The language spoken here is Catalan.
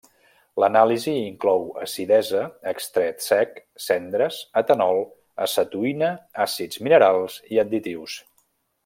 L'anàlisi inclou acidesa, extret sec, cendres, etanol, acetoïna, àcids minerals i additius.